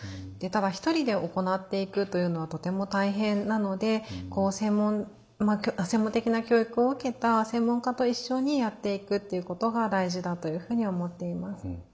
ただ一人で行っていくというのはとても大変なので専門的な教育を受けた専門家と一緒にやっていくっていうことが大事だというふうに思っています。